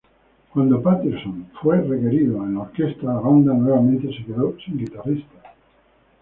Cuando Pattinson fue requerido en la orquesta, la banda nuevamente se quedó sin guitarrista.